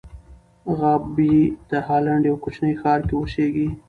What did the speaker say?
غابي د هالنډ یوه کوچني ښار کې اوسېږي.